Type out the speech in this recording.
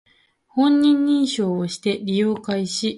本人認証をして利用開始